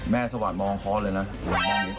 แม่สวัสดิ์มองคอร์สเลยนะ